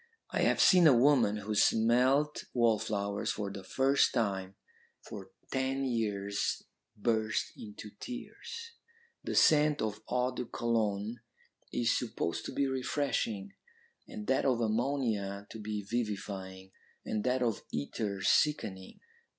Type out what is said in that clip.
I have seen a woman who smelt wallflowers for the first time for ten years burst into tears. The scent of eau de Cologne is supposed to be refreshing, and that of ammonia to be vivifying, and that of ether sickening.